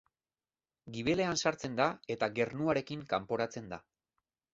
Gibelean sartzen da eta gernuarekin kanporatzen da.